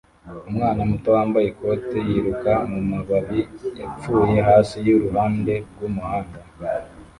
Umwana muto wambaye ikote yiruka mumababi yapfuye hasi kuruhande rwumuhanda